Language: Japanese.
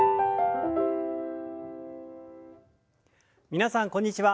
皆さんこんにちは。